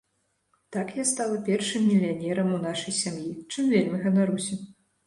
Так я стала першым мільянерам у нашай сям'і, чым вельмі ганаруся.